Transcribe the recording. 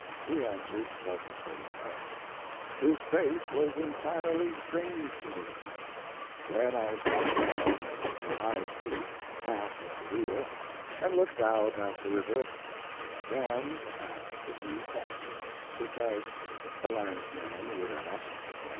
He answered pleasantly enough. His face was entirely strange to me. Then I sat down on the high seat back of the wheel and looked out at the river and began to ask a few questions, such as a landsman would ask.